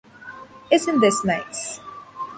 Isn't this nice?